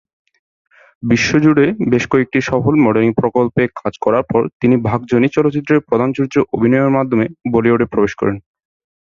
বিশ্বজুড়ে বেশ কয়েকটি সফল মডেলিং প্রকল্পে কাজ করার পর তিনি "ভাগ জনি" চলচ্চিত্রে প্রধান চরিত্রে অভিনয়ের মাধ্যমে বলিউডে প্রবেশ করেন।